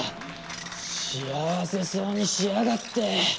幸せそうにしやがって。